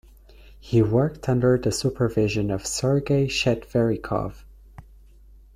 He worked under the supervision of Sergei Chetverikov.